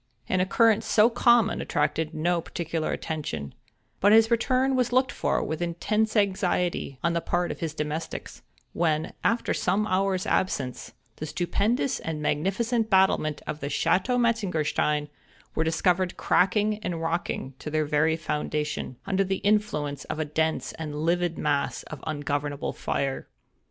An occurrence so common attracted no particular attention, but his return was looked for with intense anxiety on the part of his domestics, when, after some hours' absence, the stupendous and magnificent battlements of the Chateau Metzengerstein, were discovered crackling and rocking to their very foundation, under the influence of a dense and livid mass of ungovernable fire.